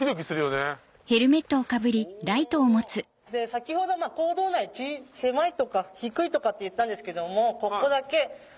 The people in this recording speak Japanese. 先ほど坑道内狭いとか低いとかって言ったんですけども。